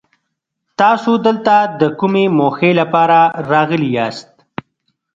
تاسو دلته د کومې موخې لپاره راغلي ياست؟